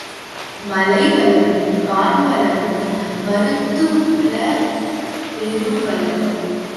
மலை வளமும் கான் வளமும் மருதநிலப் பெருவளமும்